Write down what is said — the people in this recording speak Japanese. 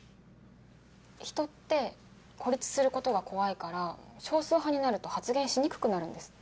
人って孤立することが怖いから少数派になると発言しにくくなるんですって。